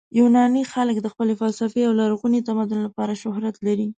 یوناني خلک د خپل فلسفې او لرغوني تمدن لپاره شهرت لري.